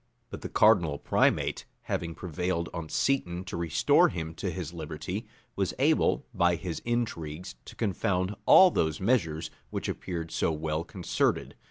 But the cardinal primate, having prevailed on Seton to restore him to his liberty, was able, by his intrigues, to confound all these measures, which appeared so well concerted.